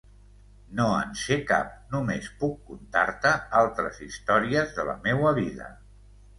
No en sé cap, només puc contar-te altres històries de la meua vida.